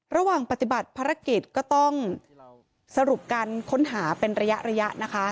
ระหว่างปฏิบัติภารกิจก็ต้องสรุปการค้นหาเป็นระยะนะคะ